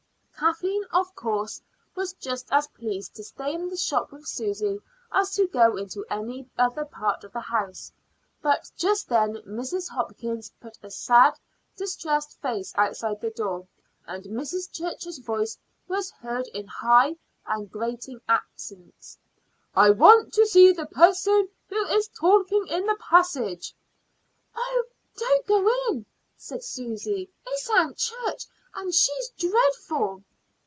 Kathleen, of course, was just as pleased to stay in the shop with Susy as to go into any other part of the house; but just then Mrs. Hopkins put a sad, distressed face outside the door, and Mrs. Church's voice was heard in high and grating accents: "I want to see the person who is talking in the passage." "Oh! don't go in," said Susy. "It's Aunt Church, and she's dreadful."